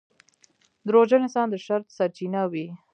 • دروغجن انسان د شر سرچینه وي.